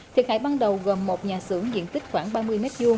thiệt hại ban đầu gồm một nhà xưởng diện tích khoảng ba mươi m hai